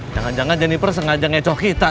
jangan jangan jenis persengajaan ngecoh kita